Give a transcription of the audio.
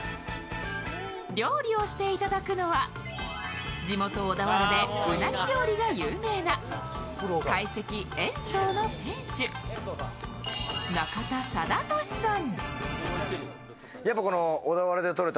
料理をしていただくのは地元・小田原でうなぎ料理が有名な懐石円相の店主、中田貞年さん。